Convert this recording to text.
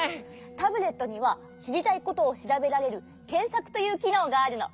タブレットにはしりたいことをしらべられる「けんさく」というきのうがあるの！